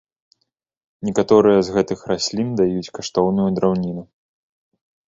Некаторыя з гэтых раслін даюць каштоўную драўніну.